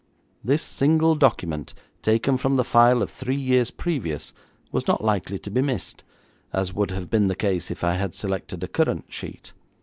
This single document taken from the file of three years previous, was not likely to be missed, as would have been the case if I had selected a current sheet.